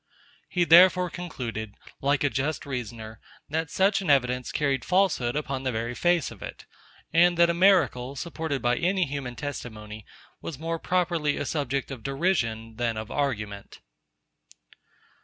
He therefore concluded, like a just reasoner, that such an evidence carried falsehood upon the very face of it, and that a miracle, supported by any human testimony, was more properly a subject of derision than of argument.